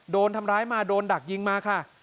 โดนทำร้ายมาโดนดักยิงมาค่ะ